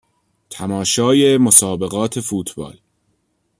تماشای مسابقات فوتبال